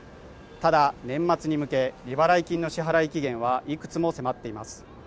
ただ年末に向け利払い金の支払期限はいくつも迫っています